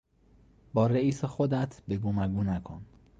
با رییس خودت بگو مگو نکن!